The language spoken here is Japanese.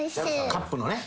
カップのね。